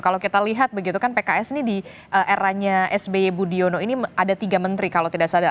kalau kita lihat begitu kan pks ini di eranya sby budiono ini ada tiga menteri kalau tidak salah